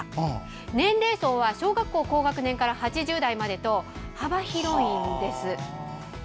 年齢層は小学校高学年から８０代までと、幅広いんです。